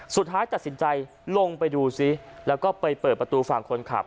สุดท้ายตัดสินใจลงไปดูซิแล้วก็ไปเปิดประตูฝั่งคนขับ